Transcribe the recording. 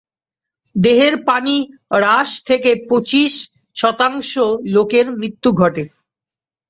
দেহের পানি হ্রাস থেকে পঁচিশ শতাংশ লোকের মৃত্যু ঘটে।